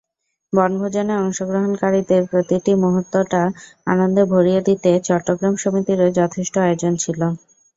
বনভোজনে অংশগ্রহণকারীদের প্রতিটি মুহূর্তটা আনন্দে ভরিয়ে দিতে চট্টগ্রাম সমিতিরও যথেষ্ট আয়োজন ছিল।